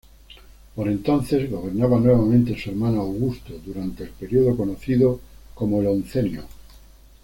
Por entonces gobernaba nuevamente su hermano Augusto, durante el periodo conocido como el Oncenio.